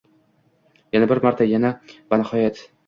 Yana bir marta… Yana… Va nihoyat: